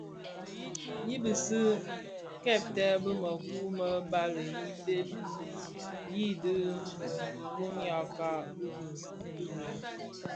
I bisi kèbtè bi mëkoo më bali yi bheg yidhi guňakka di bë.